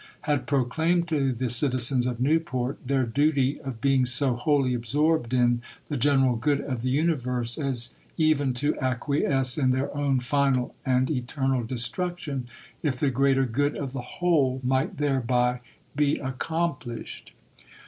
had proclaimed to the citizens of Newport their duty of being so wholly absorbed in the general good of the universe as even to acquiesce in their own final and eternal destruction, if the greater good of the whole might thereby be accomplished.